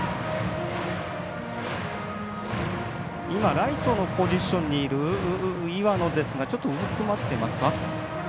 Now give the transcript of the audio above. ライトのポジションにいる岩野ですがうずくまっていますか。